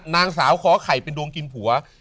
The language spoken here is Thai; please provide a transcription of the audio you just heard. นางสาวขอไข่เป็นดวงกินผัว